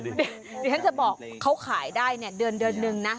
เดี๋ยวฉันจะบอกเขาขายได้เนี่ยเดือนนึงนะ